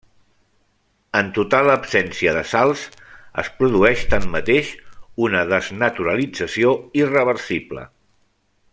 En total absència de sals es produeix tanmateix una desnaturalització irreversible.